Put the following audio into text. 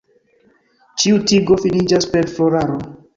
Ĉiu tigo finiĝas per floraro.